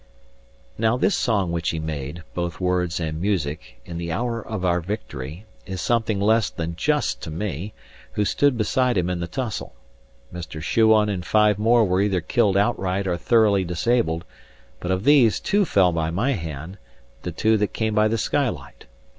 Now this song which he made (both words and music) in the hour of our victory, is something less than just to me, who stood beside him in the tussle. Mr. Shuan and five more were either killed outright or thoroughly disabled; but of these, two fell by my hand, the two that came by the skylight.